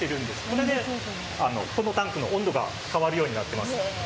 これでこのタンクの温度が変わるようになっています。